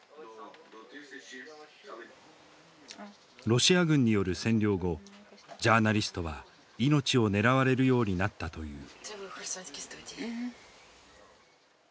ロシア軍による占領後ジャーナリストは命を狙われるようになったという。